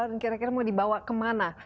dan kira kira mau dibawa kemana